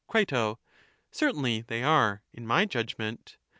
Cri, Certainly they are, in my judgment.